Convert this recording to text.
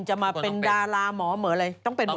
จะมาเป็นดาราหมอหมอเลย